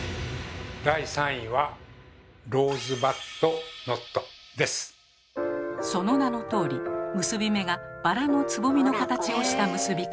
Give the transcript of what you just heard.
第３位はその名のとおり結び目がバラのつぼみの形をした結び方。